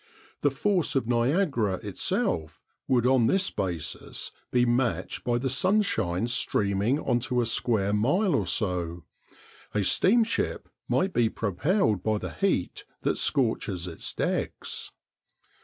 The force of Niagara itself would on this basis be matched by the sunshine streaming on to a square mile or so. A steamship might be propelled by the heat that scorches its decks.